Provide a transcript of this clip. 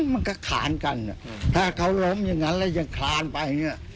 มันก็ขานกันถ้าเขาล้มอย่างนั้นแล้วยังคลานไปเนี่ย